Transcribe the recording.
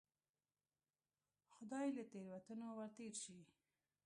خدای یې له تېروتنو ورتېر شي.